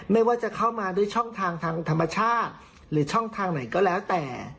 ไม่ว่าจะเข้ามาด้วยช่องทางทางธรรมชาติหรือช่องทางไหนก็แล้วแต่